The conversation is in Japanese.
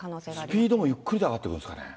スピードもゆっくりで上がってくるんですかね。